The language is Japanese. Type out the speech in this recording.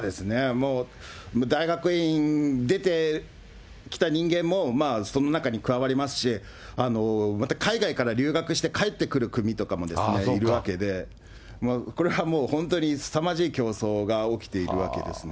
もう、大学院出てきた人間もその中に加わりますし、また海外から留学して帰ってくる組とかもいるわけで、もう、これはもう、本当にすさまじい競争が起きているわけですね。